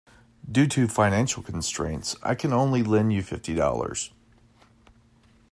Due to financial constraints I can only lend you fifty dollars.